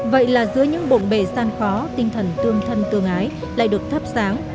vậy là dưới những bộn bề gian khó tinh thần tương thân tương ái lại được thắp sáng